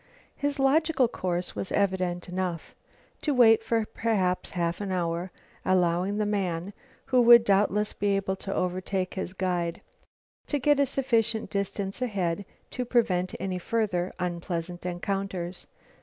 His logical course was evident enough; to wait for perhaps half an hour, allowing the man, who would doubtless be able to overtake his guide, to get a sufficient distance ahead to prevent any further unpleasant encounters.